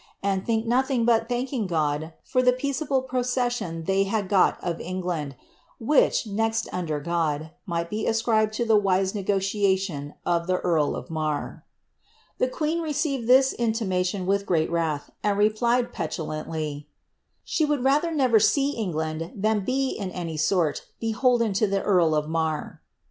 uhI think of not'' but Ihankiug God for the peacFable posHsnon tbfj had gnl of I , id, which, uext under God, migbt be ascribed W ibv wise negotia i if the earl of Mair." The qoeen received this intimation with greal wrath, and RpU^ pciulanily, ^She would rather never see England, ibim be, in uiy Mlf beholden to the eari of Harr."'